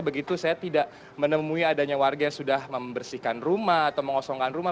begitu saya tidak menemui adanya warga yang sudah membersihkan rumah atau mengosongkan rumah